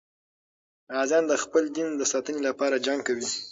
غازیان د خپل دین د ساتنې لپاره جنګ کوي.